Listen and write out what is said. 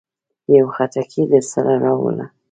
يو خټکی درسره راوړه.